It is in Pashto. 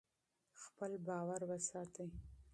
خپل اعتبار وساتئ.